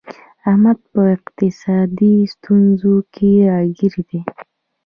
احمد په اقتصادي ستونزو کې راگیر دی